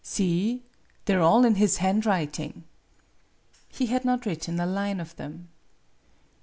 " See! They are all in his handwriting." He had not written a line of them.